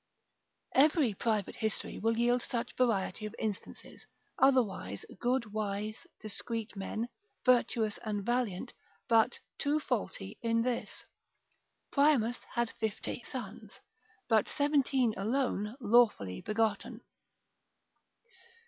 Every private history will yield such variety of instances: otherwise good, wise, discreet men, virtuous and valiant, but too faulty in this. Priamus had fifty sons, but seventeen alone lawfully begotten.